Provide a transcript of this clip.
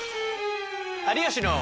「有吉の」。